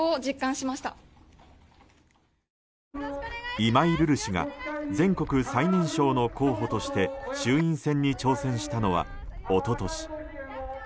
今井瑠々氏が全国最年少の候補として衆院選に挑戦したのは一昨年。